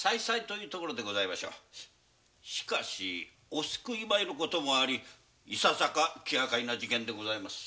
お救い米の事もありいささか気がかりな事件でございます。